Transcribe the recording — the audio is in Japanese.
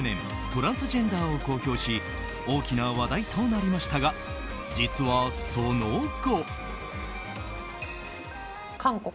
トランスジェンダーを公表し大きな話題となりましたが実はその後。